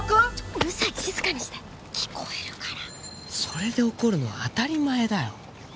うるさい静かにして聞こえるからそれで怒るのは当たり前だよ